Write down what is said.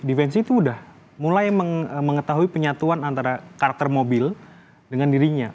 defensi itu sudah mulai mengetahui penyatuan antara karakter mobil dengan dirinya